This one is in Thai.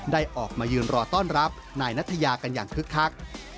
ได้ออกมายืนรอต้อนรับนายนัทยากันอย่างคึกคัก